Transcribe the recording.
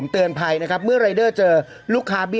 เตือนไผ่นี่ครับ